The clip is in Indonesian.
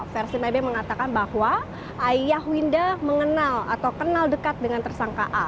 versi maybe mengatakan bahwa ayah winda mengenal atau kenal dekat dengan tersangka a